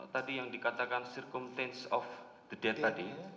tadi yang dikatakan circumtance of the death tadi